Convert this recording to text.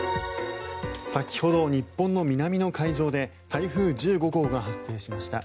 先ほど日本の南の海上で台風１５号が発生しました。